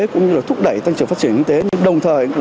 cũng như là thúc đẩy tăng trưởng phát triển kinh tế